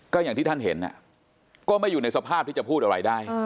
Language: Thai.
ก็อย่างที่ท่านเห็นก็ไม่อยู่ในสภาพที่จะพูดอะไรได้